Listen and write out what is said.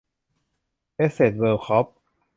แอสเสท เวิรด์ คอร์ป